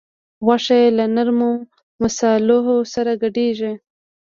غوښه یې له نرمو مصالحو سره ګډیږي.